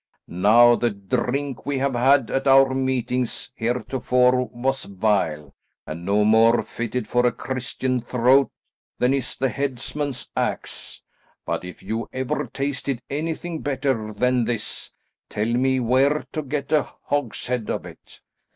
Now the drink we have had at our meetings heretofore was vile, and no more fitted for a Christian throat than is the headsman's axe; but if you ever tasted anything better than this, tell me where to get a hogshead of it."